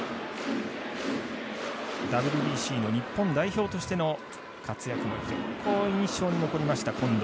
ＷＢＣの日本代表としての活躍も非常に印象に残りました近藤。